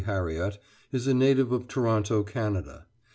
Harriott, is a native of Toronto, Canada.